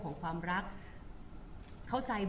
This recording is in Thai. บุ๋มประดาษดาก็มีคนมาให้กำลังใจเยอะ